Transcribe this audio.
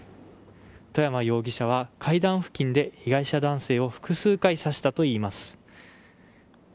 外山容疑者は階段付近で被害者男性を複数回、刺したといいます。